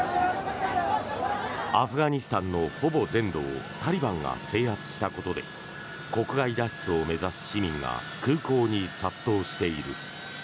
アフガニスタンのほぼ全土をタリバンが制圧したことで国外脱出を目指す市民が空港に殺到している。